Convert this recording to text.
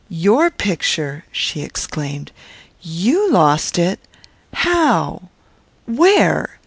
"Your picture!" she exclaimed; "you lost it! How? Where?